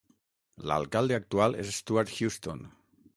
L'alcalde actual és Stuart Houston.